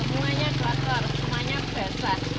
semuanya semuanya kotor semuanya besa